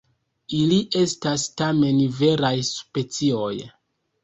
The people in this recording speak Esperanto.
Ili estas tamen veraj specioj.